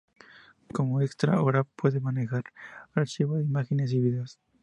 Como un extra, ahora puede manejar archivos de imágenes y vídeos.